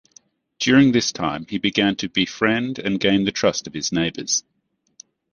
During this time he began to befriend and gain the trust of his neighbors.